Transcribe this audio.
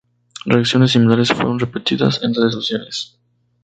Reacciones similares fueron repetidas en redes sociales.